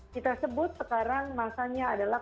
kita sebut sekarang masanya adalah